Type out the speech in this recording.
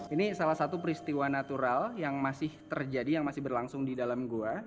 ini salah satu peristiwa natural yang masih terjadi yang masih berlangsung di dalam gua